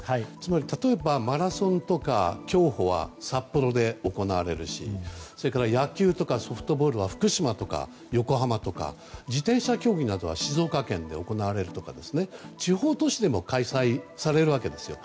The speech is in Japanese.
例えばマラソンとか競歩は札幌で行われるしそれから野球とかソフトボールとかは福島とか横浜とか自転車競技などは静岡県で行われるとか地方都市でも開催されるわけですよ。